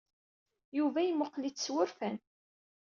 Yuba yemmuqqel-itt s wurfan.